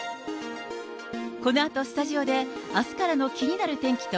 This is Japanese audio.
このあとスタジオであすからの気になる天気と、